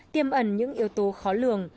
tiêm ẩn những yếu tố khó lường